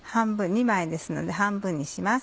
２枚ですので半分にします。